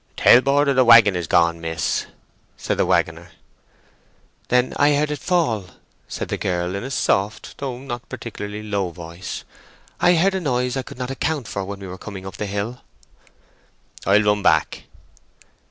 "The tailboard of the waggon is gone, Miss," said the waggoner. "Then I heard it fall," said the girl, in a soft, though not particularly low voice. "I heard a noise I could not account for when we were coming up the hill." "I'll run back."